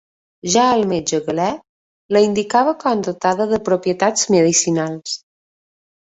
Ja el metge Galè la indicava com dotada de propietats medicinals.